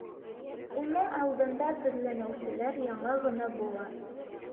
Уның алдында теҙләнеүселәр яңы ғына быуа